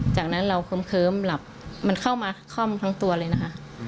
จากนั้นเราเคริมลับเข้ามาค่อนข้างตัวเลยนะฮะ